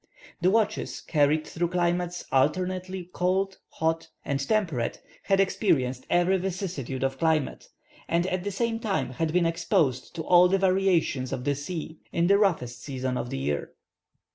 The watches, carried through climates alternately cold, hot, and temperate, had experienced every vicissitude of climate, and at the same time had been exposed to all the variations of the sea, in the roughest season of the year.